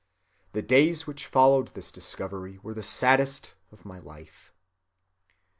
The days which followed this discovery were the saddest of my life."